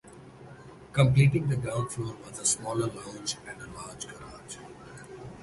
Completing the ground floor was a smaller lounge, and a large garage.